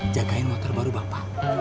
jagain motor baru bapak